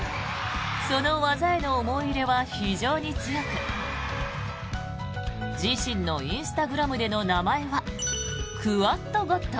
その技への思い入れは非常に強く自身のインスタグラムでの名前は「ｑｕａｄｇ０ｄ」。